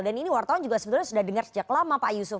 dan ini wartawan juga sebenarnya sudah dengar sejak lama pak yusuf